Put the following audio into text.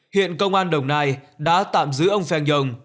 hiện công an đồng nai đã tạm giữ ông pheng yong